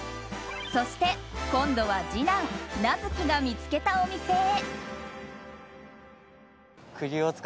そして、今度は次男・名月が見つけたお店へ。